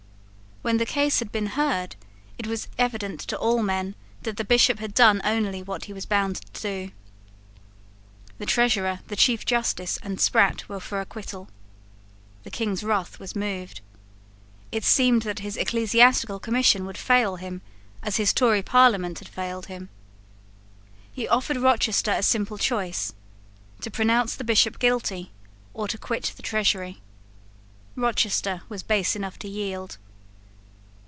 When the case had been heard, it was evident to all men that the Bishop had done only what he was bound to do. The Treasurer, the Chief Justice, and Sprat were for acquittal. The King's wrath was moved. It seemed that his Ecclesiastical Commission would fail him as his Tory Parliament had failed him. He offered Rochester a simple choice, to pronounce the Bishop guilty, or to quit the Treasury. Rochester was base enough to yield.